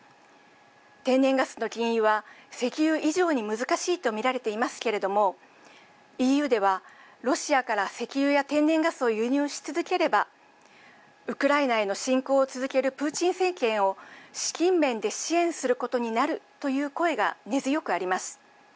天然ガスの禁輸は石油以上に難しいと見られていますけれどもＥＵではロシアから石油や天然ガスを輸入し続ければウクライナへの侵攻を続けるプーチン政権を資金面で支援することになるという声が根強くあります。